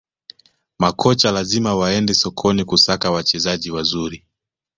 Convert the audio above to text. Makocha lazima waende sokoni kusaka wachezaji wazuri